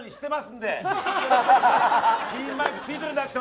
ピンマイクついてるんだけど。